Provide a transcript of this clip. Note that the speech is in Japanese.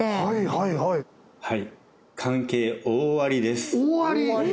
はいはいはい関係大ありです大あり？